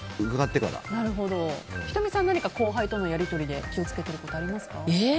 仁美さん何か後輩とのやり取りで気を付けてることありますか？